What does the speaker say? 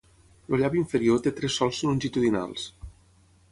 El llavi inferior té tres solcs longitudinals.